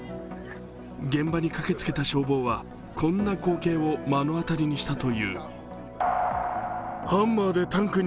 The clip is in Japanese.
現場に駆けつけた消防はこんな光景を目の当たりにしたという。